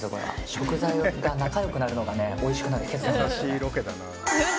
食材が仲良くなるのがおいしくなる秘訣なんですよ。